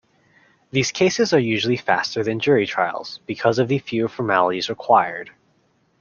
These cases are usually faster than jury trials because of the fewer formalities required.